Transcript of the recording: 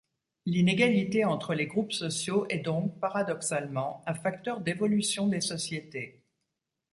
L'inégalité entre les groupes sociaux est donc, paradoxalement, un facteur d'évolution des sociétés.